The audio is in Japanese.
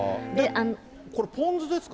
これ、ポン酢ですか？